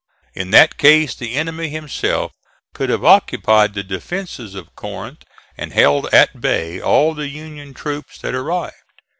In that case the enemy himself could have occupied the defences of Corinth and held at bay all the Union troops that arrived.